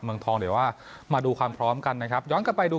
เมืองทองเดี๋ยวว่ามาดูความพร้อมกันนะครับย้อนกลับไปดู